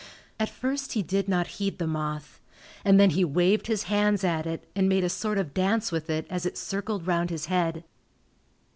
At first he did not heed the moth, and then he waved his hands at it and made a sort of dance with it as it circled round his head.